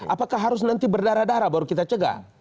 apakah harus nanti berdarah darah baru kita cegah